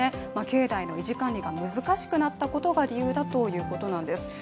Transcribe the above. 境内の維持・管理が難しくなったことが理由だということなんです。